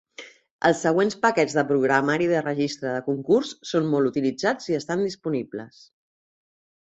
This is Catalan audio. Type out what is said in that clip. Els següents paquets de programari de registre de concurs són molt utilitzats i estan disponibles.